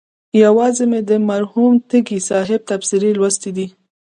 یوازې مې د مرحوم تږي صاحب تبصرې لوستلي دي.